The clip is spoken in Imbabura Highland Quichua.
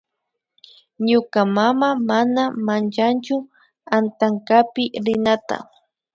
Ñuka mama mana manchanchu antankapi rinata